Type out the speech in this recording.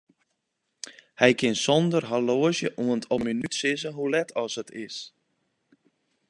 Hy kin sonder horloazje oant op 'e minút sizze hoe let as it is.